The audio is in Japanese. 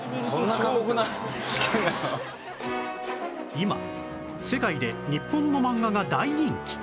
今世界で日本の漫画が大人気！